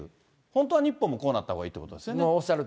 本当は日本もこうなったほうがいいってことですよね。